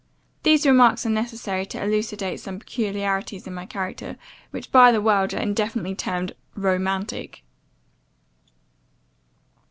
These remarks are necessary to elucidate some peculiarities in my character, which by the world are indefinitely termed romantic.